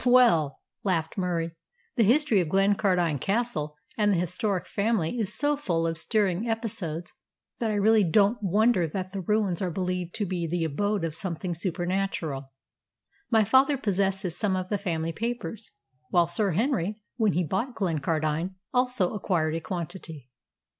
"Well," laughed Murie, "the history of Glencardine Castle and the historic family is so full of stirring episodes that I really don't wonder that the ruins are believed to be the abode of something supernatural. My father possesses some of the family papers, while Sir Henry, when he bought Glencardine, also acquired a quantity.